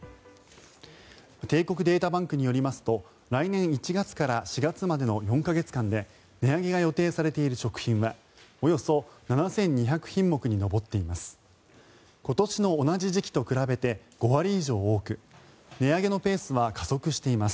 帝国データバンクによりますと来年１月から４月までの４か月間で値上げが予定されている食品はおよそ７２００品目に上っています。